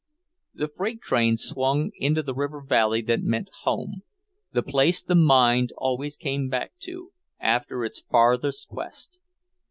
The freight train swung into the river valley that meant home, the place the mind always came back to, after its farthest quest.